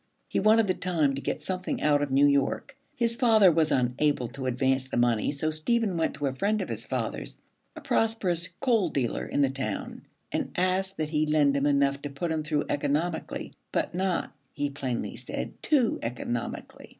He wanted the time to get something out of New York. His father was unable to advance the money, so Stephen went to a friend of his father's, a prosperous coal dealer in the town, and asked that he lend him enough to put him through economically, but not, he plainly said, too economically.